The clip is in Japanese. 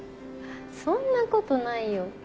そんなことないよ。